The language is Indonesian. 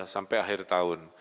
sampai akhir tahun